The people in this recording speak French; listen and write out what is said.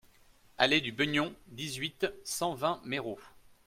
Allée du Beugnon, dix-huit, cent vingt Méreau